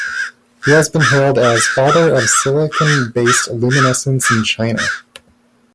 He has been hailed as "Father of silicon based luminescence in China".